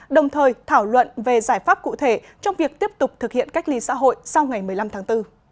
đồng thời thảo luận về giải pháp cụ thể trong việc tiếp tục thực hiện cách ly xã hội sau ngày một mươi năm tháng bốn